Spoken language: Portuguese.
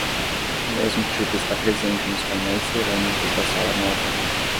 O mesmo tipo está presente nos painéis cerâmicos da Sala Nova.